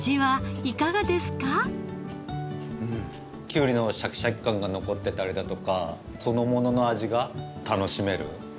きゅうりのシャキシャキ感が残ってたりだとかそのものの味が楽しめる。